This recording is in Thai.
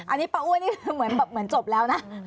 อันนี้ป้าอ้วยเหมือนจบแล้วนะ